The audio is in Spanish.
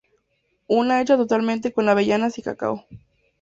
Una hecha totalmente con avellanas y cacao.